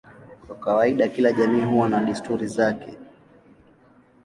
Kwa kawaida kila jamii huwa na desturi zake.